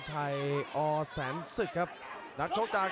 แชลเบียนชาวเล็ก